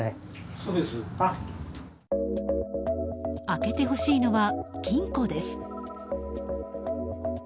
開けてほしいのは金庫です。